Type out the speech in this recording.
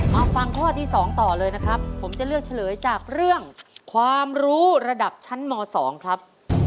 มาฟังข้อที่๒ต่อเลยนะครับผมจะเลือกเฉลยจากเรื่องความรู้ระดับชั้นม๒ครับ